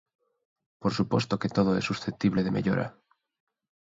Por suposto que todo é susceptible de mellora.